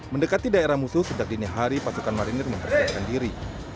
mendekati daerah musuh sejak dini hari pasukan marinir mempersiapkan diri